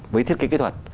với thiết kế kỹ thuật